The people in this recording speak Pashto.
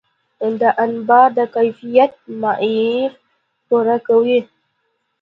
دا انبار د کیفیت معیار پوره کوي.